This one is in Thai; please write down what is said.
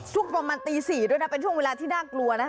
ช่วงประมาณตี๔ด้วยนะเป็นช่วงเวลาที่น่ากลัวนะคะ